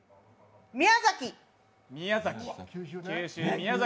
宮崎！